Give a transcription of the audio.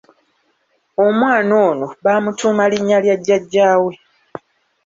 Omwana ono baamutuuma linnya lya jjajja we.